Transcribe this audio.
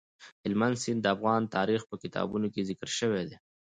هلمند سیند د افغان تاریخ په کتابونو کې ذکر شوی دی.